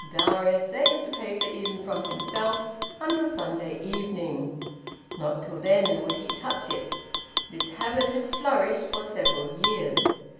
Darius saved the paper even from himself until Sunday evening; not till then would he touch it. This habit had flourished for several years.